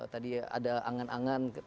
tadi ada angan angan